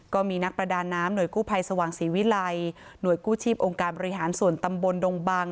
ก็มีนักประดาน้ำหน่วยกู้ภัยสว่างศรีวิลัยหน่วยกู้ชีพองค์การบริหารส่วนตำบลดงบัง